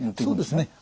そうですね